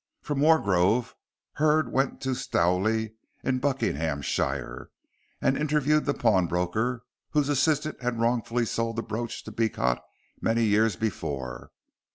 From Wargrove, Hurd went to Stowley, in Buckinghamshire, and interviewed the pawnbroker whose assistant had wrongfully sold the brooch to Beecot many years before.